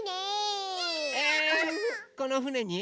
このふねに？